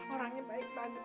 orangnya baik banget